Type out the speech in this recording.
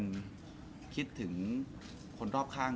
เขาจะคิดถึงตัวเองเป็นคนสุดท้าย